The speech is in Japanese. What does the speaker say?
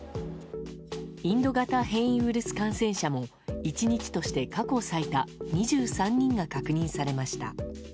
インド型変異ウイルス感染者も１日として過去最多２３人が確認されました。